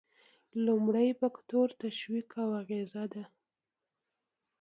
لومړی فکتور تشویق او اغیزه ده.